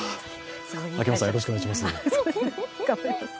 秋元さん、よろしくお願いします。